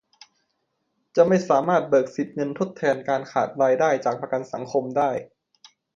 จะไม่สามารถเบิกสิทธิ์เงินทดแทนการขาดรายได้จากประกันสังคมได้